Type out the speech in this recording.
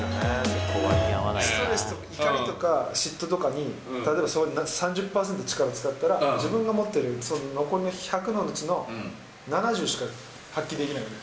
ストレスとか怒りとか、嫉妬とかに例えば３０％力使ったら、自分が持っている残りの１００のうちの７０しか発揮できないじゃない。